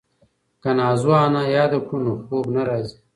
که نازو انا یاده کړو نو خوب نه راځي.